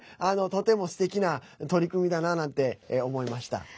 とてもすてきな取り組みだななんて思いました。